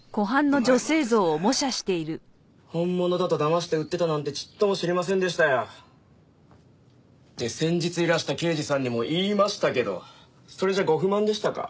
本物だと騙して売ってたなんてちっとも知りませんでしたよ。って先日いらした刑事さんにも言いましたけどそれじゃご不満でしたか？